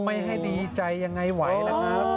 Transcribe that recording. ไม่ให้ดีใจยังไงไหวนะครับ